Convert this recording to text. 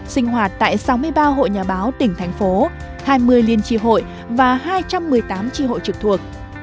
sinh hoạt tại sáu mươi ba hội nhà báo tỉnh thành phố hai mươi liên tri hội và hai trăm một mươi tám tri hội trực thuộc